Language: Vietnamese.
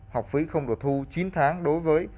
học phí không được thu chín tháng đối với